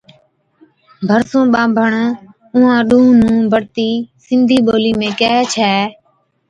ڀرسُون ٻانڀڻ اُونھان ڏُونھُون نُون بَڙتِي سِنڌِي ٻولِي ۾ ڪيھي ڇَي